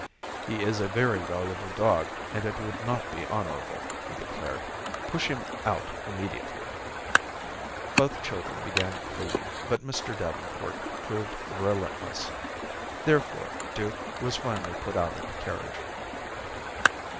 "He is a very valuable dog, and it would not be honorable," he declared. "Push him out immediately." Both children began pleading, but Mr. Davenport proved relentless. Therefore, Duke was finally put out of the carriage.